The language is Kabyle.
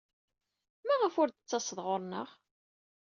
Maɣef ur d-tettased ɣer-neɣ?